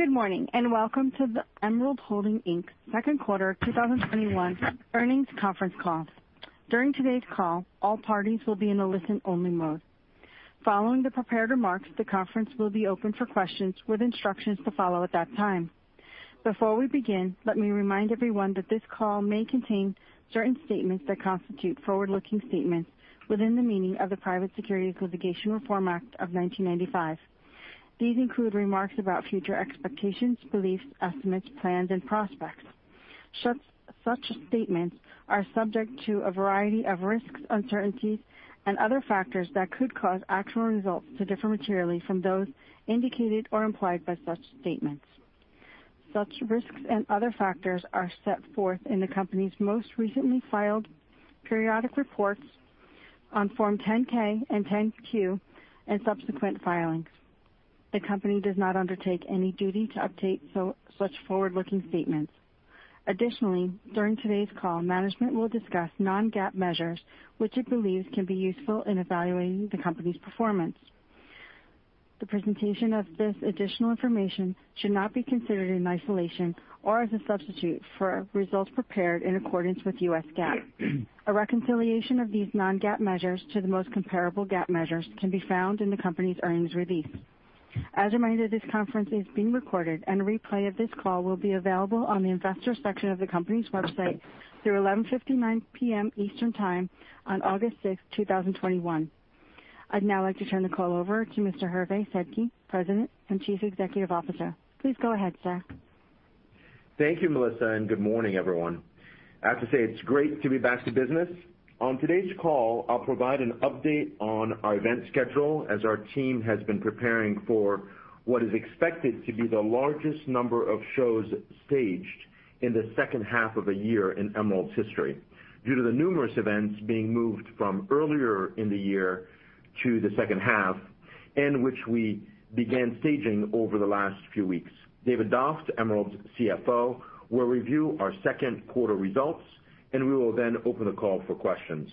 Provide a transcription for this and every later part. Good morning, and welcome to the Emerald Holding, Inc. second quarter 2021 earnings conference call. During today's call, all parties will be in a listen-only mode. Following the prepared remarks, the conference will be open for questions with instructions to follow at that time. Before we begin, let me remind everyone that this call may contain certain statements that constitute forward-looking statements within the meaning of the Private Securities Litigation Reform Act of 1995. These include remarks about future expectations, beliefs, estimates, plans, and prospects. Such statements are subject to a variety of risks, uncertainties, and other factors that could cause actual results to differ materially from those indicated or implied by such statements. Such risks and other factors are set forth in the company's most recently filed periodic reports on Form 10-K and 10-Q, and subsequent filings. The company does not undertake any duty to update such forward-looking statements. Additionally, during today's call, management will discuss non-GAAP measures which it believes can be useful in evaluating the company's performance. The presentation of this additional information should not be considered in isolation or as a substitute for results prepared in accordance with U.S. GAAP. A reconciliation of these non-GAAP measures to the most comparable GAAP measures can be found in the company's earnings release. As a reminder, this conference is being recorded, and a replay of this call will be available on the investor section of the company's website through 11:59 P.M. Eastern Time on August 6th, 2021. I'd now like to turn the call over to Mr. Hervé Sedky, President and Chief Executive Officer. Please go ahead, sir. Thank you, Melissa. Good morning, everyone. I have to say, it's great to be back to business. On today's call, I'll provide an update on our event schedule as our team has been preparing for what is expected to be the largest number of shows staged in the second half of a year in Emerald's history due to the numerous events being moved from earlier in the year to the second half in which we began staging over the last few weeks. David Doft, Emerald's CFO, will review our second quarter results. We will then open the call for questions.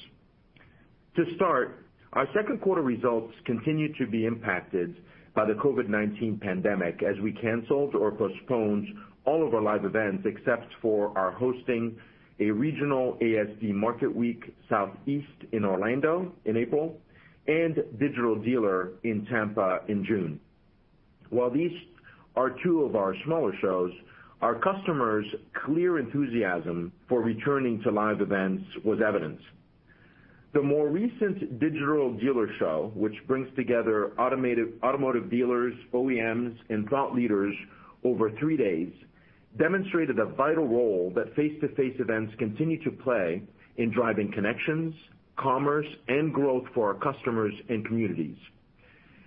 To start, our second quarter results continue to be impacted by the COVID-19 pandemic as we canceled or postponed all of our live events except for our hosting a regional ASD Market Week Southeast in Orlando in April and Digital Dealer in Tampa in June. While these are two of our smaller shows, our customers' clear enthusiasm for returning to live events was evident. The more recent Digital Dealer show, which brings together automotive dealers, OEMs, and thought leaders over three days, demonstrated a vital role that face-to-face events continue to play in driving connections, commerce, and growth for our customers and communities.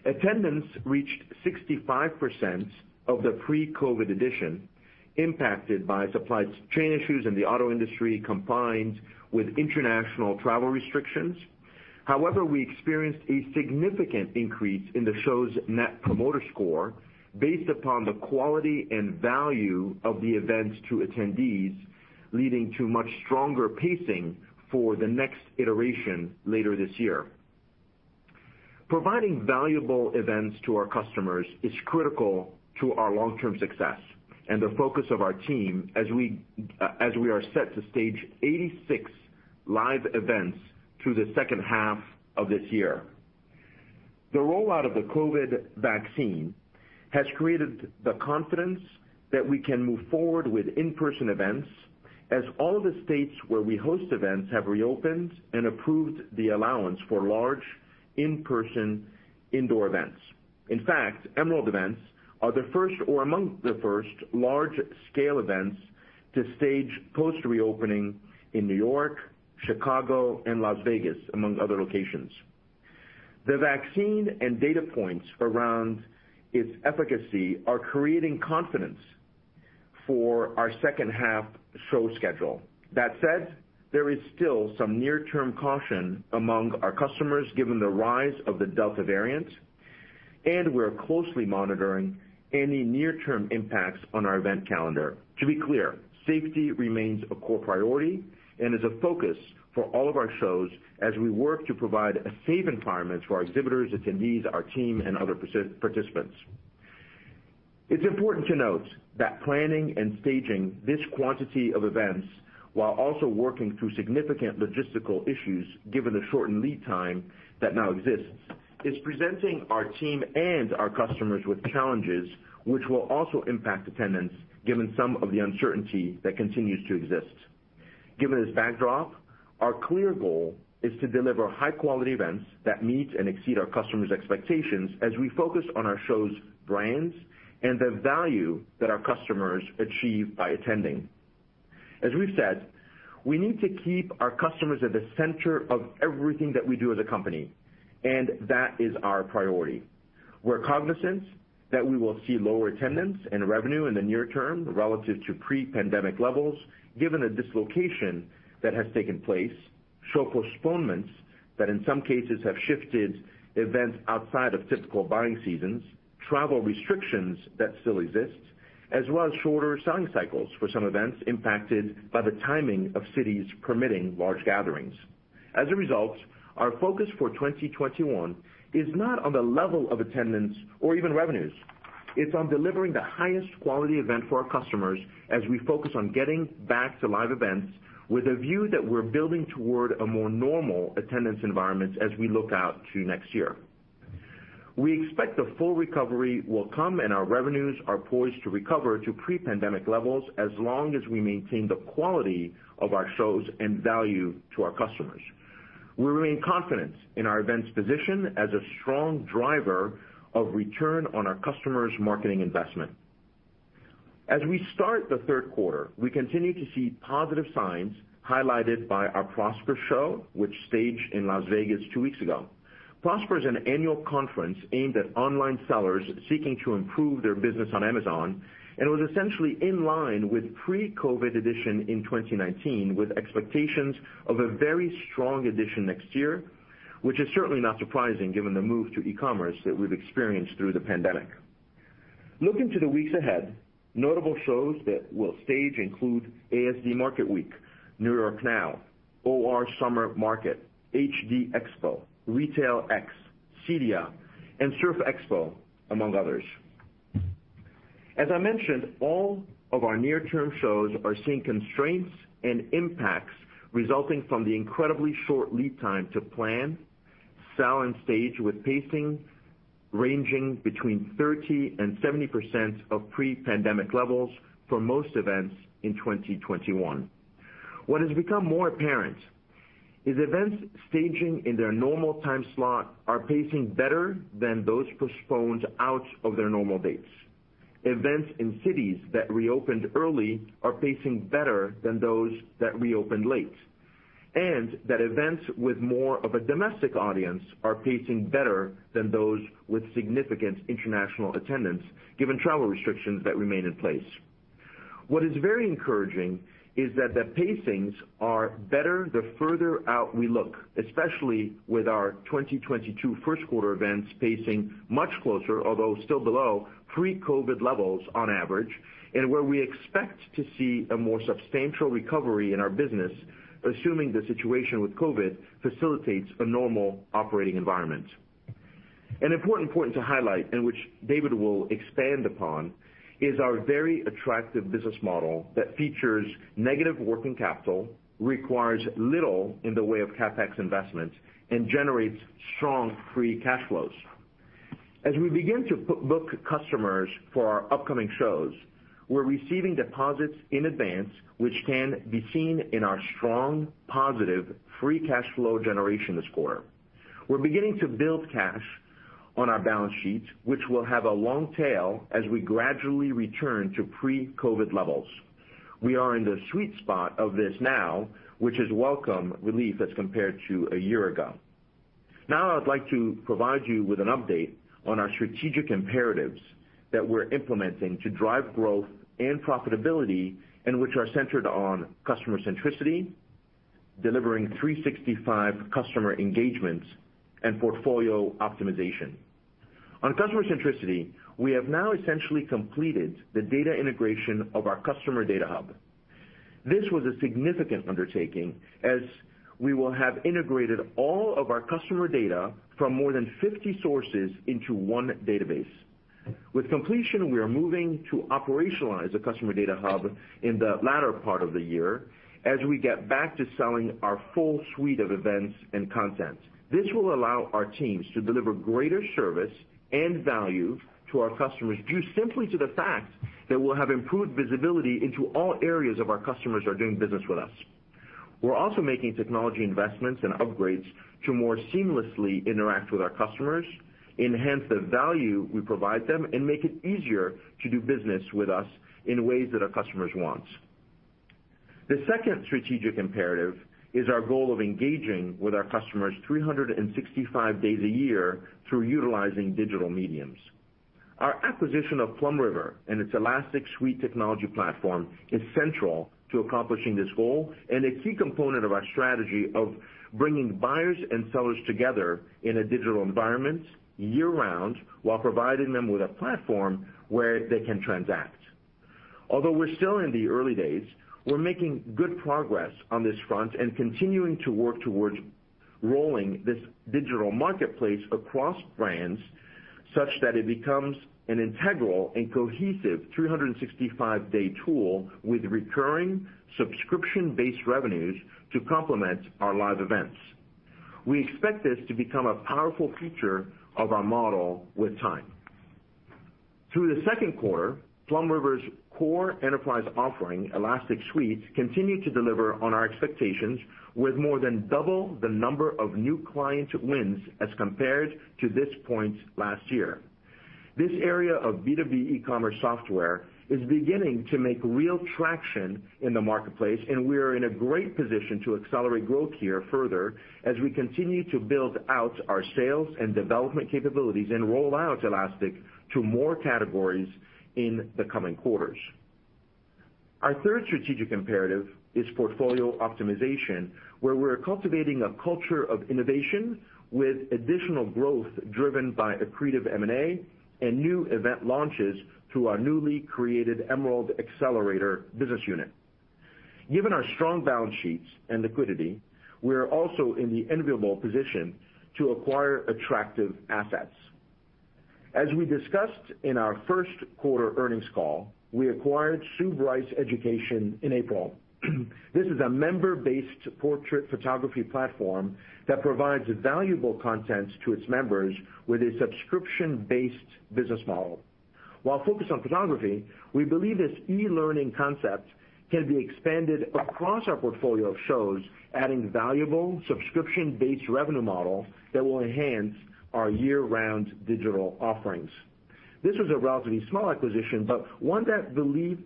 Attendance reached 65% of the pre-COVID-19 edition, impacted by supply chain issues in the auto industry combined with international travel restrictions. However, we experienced a significant increase in the show's Net Promoter Score based upon the quality and value of the events to attendees, leading to much stronger pacing for the next iteration later this year. Providing valuable events to our customers is critical to our long-term success and the focus of our team as we are set to stage 86 live events through the second half of this year. The rollout of the COVID vaccine has created the confidence that we can move forward with in-person events as all the states where we host events have reopened and approved the allowance for large in-person indoor events. In fact, Emerald events are the first or among the first large-scale events to stage post-reopening in New York, Chicago, and Las Vegas, among other locations. The vaccine and data points around its efficacy are creating confidence for our second half show schedule. That said, there is still some near-term caution among our customers given the rise of the Delta variant, and we're closely monitoring any near-term impacts on our event calendar. To be clear, safety remains a core priority and is a focus for all of our shows as we work to provide a safe environment for our exhibitors, attendees, our team, and other participants. It's important to note that planning and staging this quantity of events while also working through significant logistical issues given the shortened lead time that now exists, is presenting our team and our customers with challenges which will also impact attendance given some of the uncertainty that continues to exist. Given this backdrop, our clear goal is to deliver high-quality events that meet and exceed our customers' expectations as we focus on our shows' brands and the value that our customers achieve by attending. As we've said, we need to keep our customers at the center of everything that we do as a company, and that is our priority. We're cognizant that we will see lower attendance and revenue in the near term relative to pre-pandemic levels given the dislocation that has taken place, show postponements that in some cases have shifted events outside of typical buying seasons, travel restrictions that still exist, as well as shorter selling cycles for some events impacted by the timing of cities permitting large gatherings. As a result, our focus for 2021 is not on the level of attendance or even revenues. It's on delivering the highest quality event for our customers as we focus on getting back to live events with a view that we're building toward a more normal attendance environment as we look out to next year. We expect the full recovery will come, and our revenues are poised to recover to pre-pandemic levels as long as we maintain the quality of our shows and value to our customers. We remain confident in our events position as a strong driver of return on our customers' marketing investment. As we start the third quarter, we continue to see positive signs highlighted by our Prosper Show, which staged in Las Vegas two weeks ago. Prosper is an annual conference aimed at online sellers seeking to improve their business on Amazon and was essentially in line with pre-COVID edition in 2019, with expectations of a very strong edition next year, which is certainly not surprising given the move to e-commerce that we've experienced through the pandemic. Looking to the weeks ahead, notable shows that will stage include ASD Market Week, NY NOW, OR Summer Market, HD Expo, RetailX, CEDIA, and Surf Expo, among others. As I mentioned, all of our near-term shows are seeing constraints and impacts resulting from the incredibly short lead time to plan, sell, and stage, with pacing ranging between 30% and 70% of pre-pandemic levels for most events in 2021. What has become more apparent is events staging in their normal time slot are pacing better than those postponed out of their normal dates. Events in cities that reopened early are pacing better than those that reopened late, and that events with more of a domestic audience are pacing better than those with significant international attendance, given travel restrictions that remain in place. What is very encouraging is that the pacings are better the further out we look, especially with our 2022 first quarter events pacing much closer, although still below pre-COVID levels on average, and where we expect to see a more substantial recovery in our business, assuming the situation with COVID facilitates a normal operating environment. An important point to highlight, and which David will expand upon, is our very attractive business model that features negative working capital, requires little in the way of CapEx investments, and generates strong free cash flows. As we begin to book customers for our upcoming shows, we're receiving deposits in advance, which can be seen in our strong, positive free cash flow generation this quarter. We're beginning to build cash on our balance sheet, which will have a long tail as we gradually return to pre-COVID levels. We are in the sweet spot of this now, which is welcome relief as compared to a year ago. I would like to provide you with an update on our strategic imperatives that we're implementing to drive growth and profitability, and which are centered on customer centricity, delivering 365 customer engagements, and portfolio optimization. On customer centricity, we have now essentially completed the data integration of our customer data hub. This was a significant undertaking, as we will have integrated all of our customer data from more than 50 sources into one database. With completion, we are moving to operationalize the customer data hub in the latter part of the year as we get back to selling our full suite of events and content. This will allow our teams to deliver greater service and value to our customers, due simply to the fact that we'll have improved visibility into all areas of our customers who are doing business with us. We're also making technology investments and upgrades to more seamlessly interact with our customers, enhance the value we provide them, and make it easier to do business with us in ways that our customers want. The second strategic imperative is our goal of engaging with our customers 365 days a year through utilizing digital mediums. Our acquisition of PlumRiver and its Elastic Suite technology platform is central to accomplishing this goal and a key component of our strategy of bringing buyers and sellers together in a digital environment year-round while providing them with a platform where they can transact. Although we're still in the early days, we're making good progress on this front and continuing to work towards rolling this digital marketplace across brands such that it becomes an integral and cohesive 365-day tool with recurring subscription-based revenues to complement our live events. We expect this to become a powerful feature of our model with time. Through the second quarter, PlumRiver's core enterprise offering, Elastic Suite, continued to deliver on our expectations with more than double the number of new client wins as compared to this point last year. This area of B2B e-commerce software is beginning to make real traction in the marketplace, and we are in a great position to accelerate growth here further as we continue to build out our sales and development capabilities and roll out Elastic to more categories in the coming quarters. Our third strategic imperative is portfolio optimization, where we're cultivating a culture of innovation with additional growth driven by accretive M&A and new event launches through our newly created Emerald Xcelerator business unit. Given our strong balance sheets and liquidity, we are also in the enviable position to acquire attractive assets. As we discussed in our first quarter earnings call, we acquired Sue Bryce Education in April. This is a member-based portrait photography platform that provides valuable content to its members with a subscription-based business model. While focused on photography, we believe this e-learning concept can be expanded across our portfolio of shows, adding valuable subscription-based revenue model that will enhance our year-round digital offerings. This was a relatively small acquisition, but one that we believe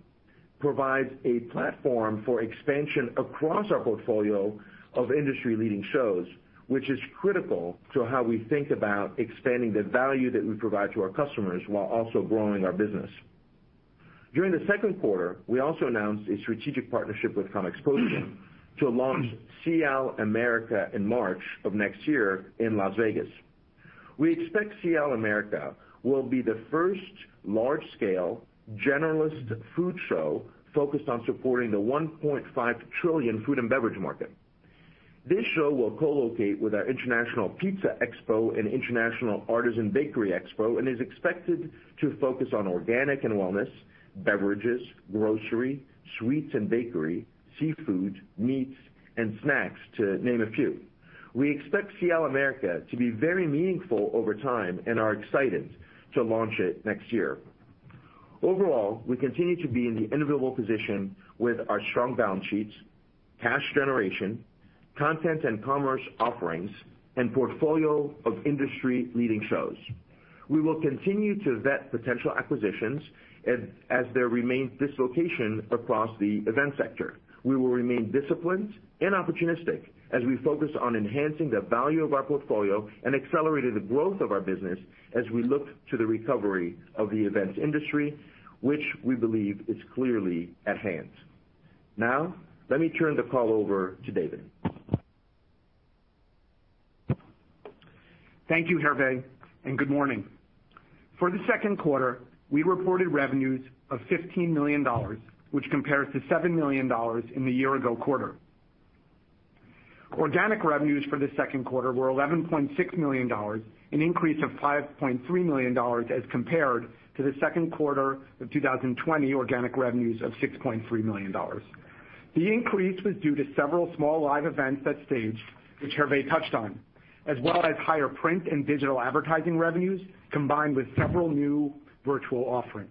provides a platform for expansion across our portfolio of industry-leading shows, which is critical to how we think about expanding the value that we provide to our customers while also growing our business. During the second quarter, we also announced a strategic partnership with Comexposium to launch SIAL America in March of next year in Las Vegas. We expect SIAL America will be the first large-scale generalist food show focused on supporting the $1.5 trillion food and beverage market. This show will co-locate with our International Pizza Expo and International Artisan Bakery Expo, and is expected to focus on organic and wellness, beverages, grocery, sweets and bakery, seafood, meats, and snacks, to name a few. We expect SIAL America to be very meaningful over time, and are excited to launch it next year. Overall, we continue to be in the enviable position with our strong balance sheets, cash generation, content and commerce offerings, and portfolio of industry-leading shows. We will continue to vet potential acquisitions as there remains dislocation across the event sector. We will remain disciplined and opportunistic as we focus on enhancing the value of our portfolio and accelerating the growth of our business as we look to the recovery of the events industry, which we believe is clearly at hand. Now, let me turn the call over to David. Thank you, Hervé, and good morning. For the second quarter, we reported revenues of $15 million, which compares to $7 million in the year ago quarter. Organic revenues for the second quarter were $11.6 million, an increase of $5.3 million as compared to the second quarter of 2020 organic revenues of $6.3 million. The increase was due to several small live events that staged, which Hervé touched on, as well as higher print and digital advertising revenues, combined with several new virtual offerings.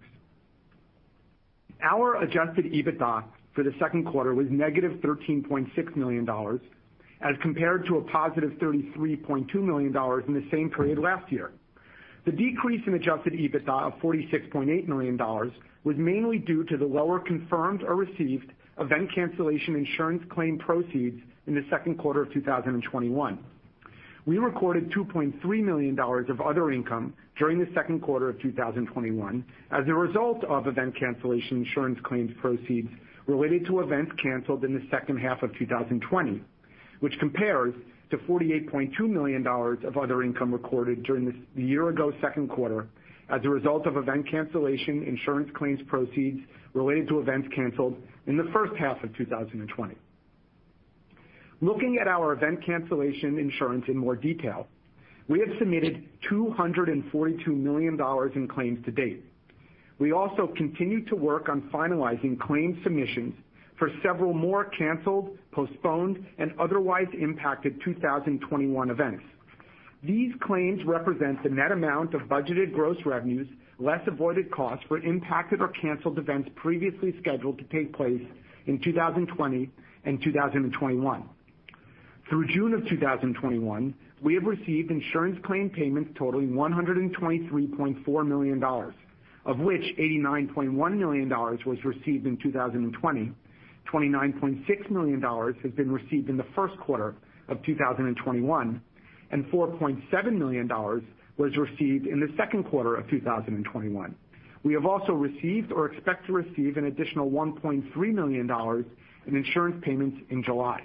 Our adjusted EBITDA for the second quarter was -$13.6 million as compared to a +$33.2 million in the same period last year. The decrease in adjusted EBITDA of $46.8 million was mainly due to the lower confirmed or received event cancellation insurance claim proceeds in the second quarter of 2021. We recorded $2.3 million of other income during the second quarter of 2021 as a result of event cancellation insurance claims proceeds related to events canceled in the second half of 2020, which compares to $48.2 million of other income recorded during the year ago second quarter as a result of event cancellation insurance claims proceeds related to events canceled in the first half of 2020. Looking at our event cancellation insurance in more detail, we have submitted $242 million in claims to date. We also continue to work on finalizing claims submissions for several more canceled, postponed, and otherwise impacted 2021 events. These claims represent the net amount of budgeted gross revenues, less avoided costs for impacted or canceled events previously scheduled to take place in 2020 and 2021. Through June of 2021, we have received insurance claim payments totaling $123.4 million, of which $89.1 million was received in 2020. $29.6 million has been received in the first quarter of 2021, and $4.7 million was received in the second quarter of 2021. We have also received or expect to receive an additional $1.3 million in insurance payments in July.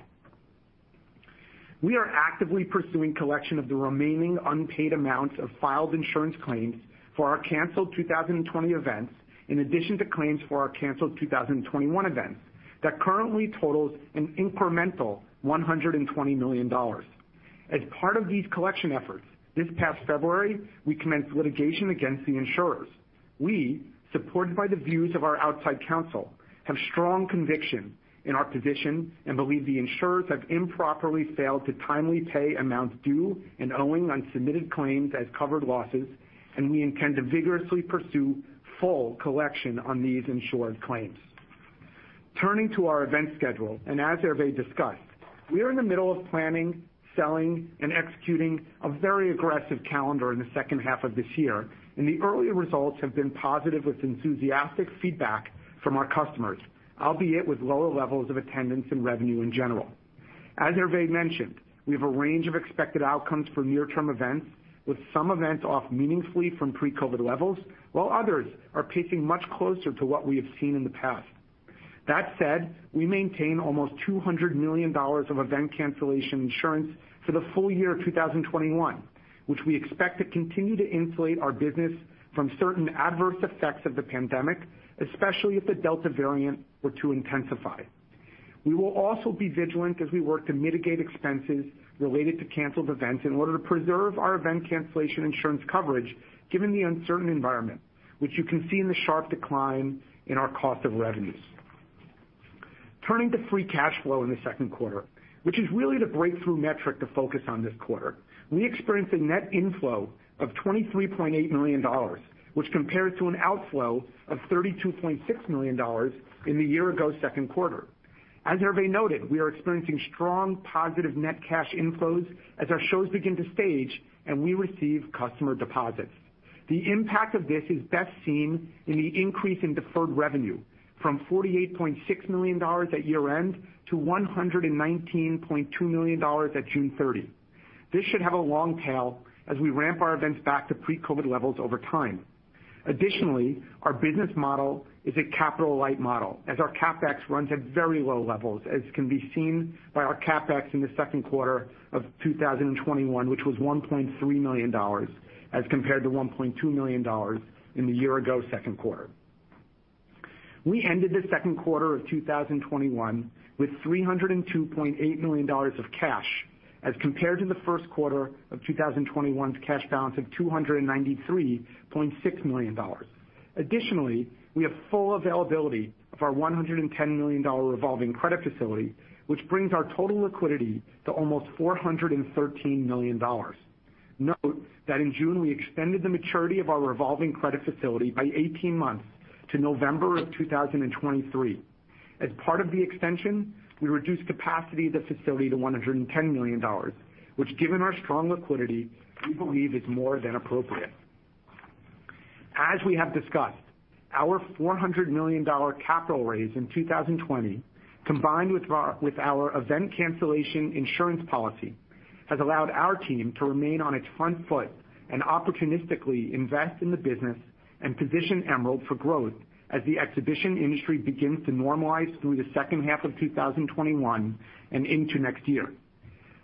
We are actively pursuing collection of the remaining unpaid amounts of filed insurance claims for our canceled 2020 events, in addition to claims for our canceled 2021 events, that currently totals an incremental $120 million. As part of these collection efforts, this past February, we commenced litigation against the insurers. We, supported by the views of our outside counsel, have strong conviction in our position and believe the insurers have improperly failed to timely pay amounts due and owing on submitted claims as covered losses. We intend to vigorously pursue full collection on these insured claims. Turning to our event schedule, as Hervé discussed, we are in the middle of planning, selling, and executing a very aggressive calendar in the second half of this year, and the early results have been positive with enthusiastic feedback from our customers, albeit with lower levels of attendance and revenue in general. As Hervé mentioned, we have a range of expected outcomes for near-term events, with some events off meaningfully from pre-COVID-19 levels, while others are pacing much closer to what we have seen in the past. That said, we maintain almost $200 million of event cancellation insurance for the full year 2021, which we expect to continue to insulate our business from certain adverse effects of the pandemic, especially if the Delta variant were to intensify. We will also be vigilant as we work to mitigate expenses related to canceled events in order to preserve our event cancellation insurance coverage, given the uncertain environment, which you can see in the sharp decline in our cost of revenues. Turning to free cash flow in the second quarter, which is really the breakthrough metric to focus on this quarter. We experienced a net inflow of $23.8 million, which compares to an outflow of $32.6 million in the year ago second quarter. As Hervé noted, we are experiencing strong positive net cash inflows as our shows begin to stage and we receive customer deposits. The impact of this is best seen in the increase in deferred revenue from $48.6 million at year-end to $119.2 million at June 30. This should have a long tail as we ramp our events back to pre-COVID levels over time. Additionally, our business model is a capital-light model, as our CapEx runs at very low levels, as can be seen by our CapEx in the second quarter of 2021, which was $1.3 million as compared to $1.2 million in the year ago second quarter. We ended the second quarter of 2021 with $302.8 million of cash as compared to the first quarter of 2021's cash balance of $293.6 million. Additionally, we have full availability of our $110 million revolving credit facility, which brings our total liquidity to almost $413 million. Note that in June, we extended the maturity of our revolving credit facility by 18 months to November of 2023. As part of the extension, we reduced capacity of the facility to $110 million, which given our strong liquidity, we believe is more than appropriate. As we have discussed, our $400 million capital raise in 2020, combined with our event cancellation insurance policy, has allowed our team to remain on its front foot and opportunistically invest in the business and position Emerald for growth as the exhibition industry begins to normalize through the second half of 2021 and into next year.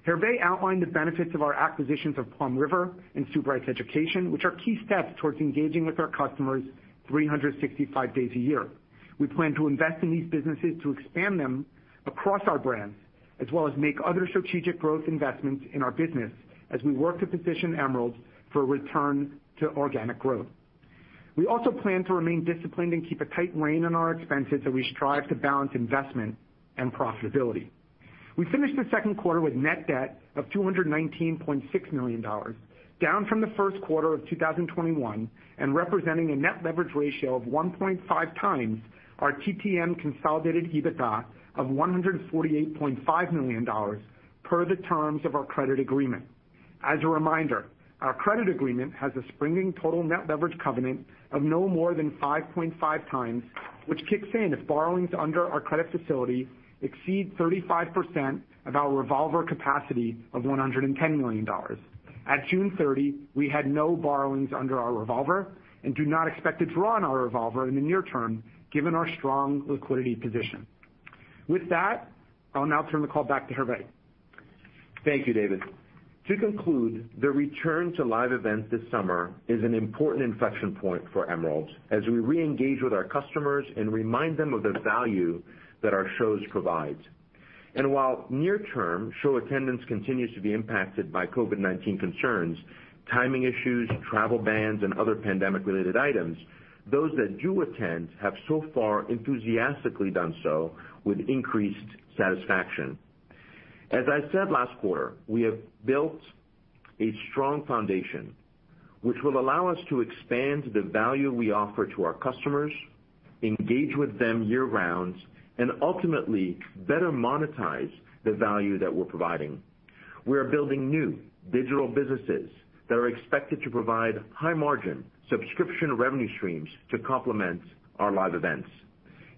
Hervé outlined the benefits of our acquisitions of PlumRiver and Sue Bryce Education, which are key steps towards engaging with our customers 365 days a year. We plan to invest in these businesses to expand them across our brands, as well as make other strategic growth investments in our business as we work to position Emerald for a return to organic growth. We also plan to remain disciplined and keep a tight rein on our expenses as we strive to balance investment and profitability. We finished the second quarter with net debt of $219.6 million, down from the first quarter of 2021 and representing a net leverage ratio of 1.5x our TTM consolidated EBITDA of $148.5 million per the terms of our credit agreement. As a reminder, our credit agreement has a springing total net leverage covenant of no more than 5.5x, which kicks in if borrowings under our credit facility exceed 35% of our revolver capacity of $110 million. At June 30, we had no borrowings under our revolver and do not expect to draw on our revolver in the near term given our strong liquidity position. With that, I'll now turn the call back to Hervé. Thank you, David. To conclude, the return to live events this summer is an important inflection point for Emerald as we reengage with our customers and remind them of the value that our shows provide. While near-term show attendance continues to be impacted by COVID-19 concerns, timing issues, travel bans, and other pandemic-related items, those that do attend have so far enthusiastically done so with increased satisfaction. As I said last quarter, we have built a strong foundation which will allow us to expand the value we offer to our customers, engage with them year-round, and ultimately better monetize the value that we're providing. We are building new digital businesses that are expected to provide high margin subscription revenue streams to complement our live events.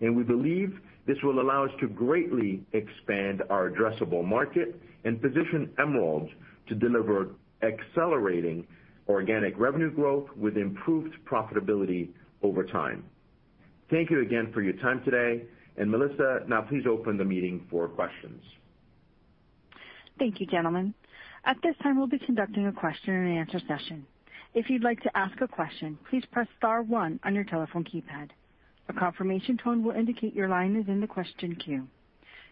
We believe this will allow us to greatly expand our addressable market and position Emerald to deliver accelerating organic revenue growth with improved profitability over time. Thank you again for your time today. Melissa, now please open the meeting for questions. Thank you, gentlemen. At this time, we'll be conducting a question and answer session. If you'd like to ask a question, please press star one on your telephone keypad. A confirmation tone will indicate your line is in the question queue.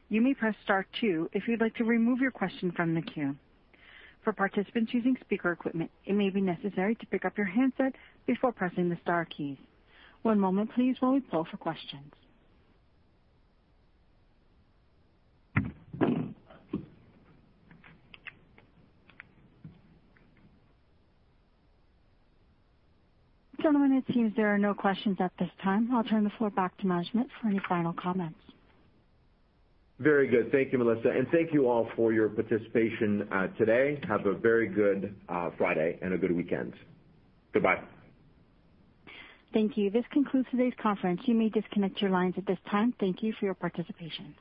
You may press star two if you'd like to remove your question from the queue. For participants using speaker equipment, it may be necessary to pick up your handset before pressing the star keys. One moment please while we poll for questions. Gentlemen, it seems there are no questions at this time. I'll turn the floor back to management for any final comments. Very good. Thank you, Melissa. Thank you all for your participation today. Have a very good Friday and a good weekend. Goodbye. Thank you. This concludes today's conference. You may disconnect your lines at this time. Thank you for your participation.